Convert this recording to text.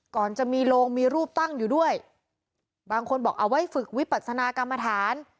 ก่อนจะมีโลงมีรูปตั้งอยู่ด้วยบางคนบอกเอาไว้ฝึกวิปัสนากรรมฐาน